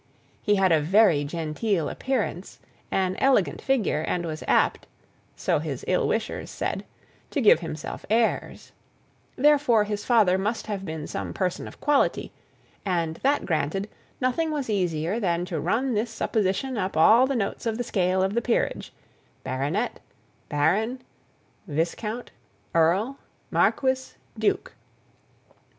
He had a very genteel appearance, an elegant figure, and was apt so his ill wishers said to give himself airs; therefore, his father must have been some person of quality; and, that granted, nothing was easier than to run this supposition up all the notes of the scale of the peerage, baronet, baron, viscount, earl, marquis, duke.